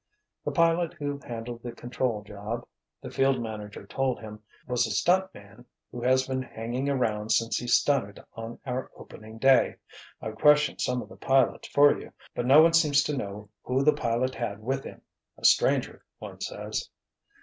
"The pilot who handled the control job," the field manager told him, "was a stunt man who has been hanging around since he stunted on our opening day. I've questioned some of the pilots for you, but no one seems to know who the pilot had with him. A stranger, one says."